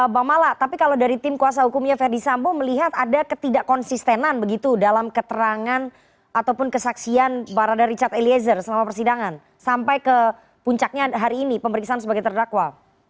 bang mala tapi kalau dari tim kuasa hukumnya verdi sambo melihat ada ketidak konsistenan begitu dalam keterangan ataupun kesaksian barada richard eliezer selama persidangan sampai ke puncaknya hari ini pemeriksaan sebagai terdakwa